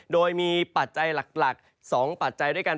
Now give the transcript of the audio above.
โดยมีปัจจัยหลัก๒ปัจจัยด้วยกัน